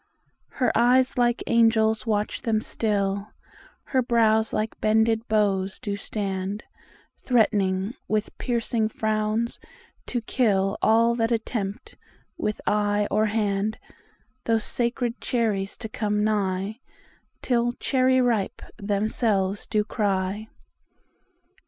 Her eyes like angels watch them still; Her brows like bended bows do stand, Threat'ning with piercing frowns to killAll that attempt with eye or handThose sacred cherries to come nigh, Till 'Cherry ripe' themselves do cry.